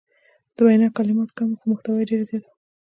د وینا کلمات کم وو خو محتوا یې ډیره زیاته وه.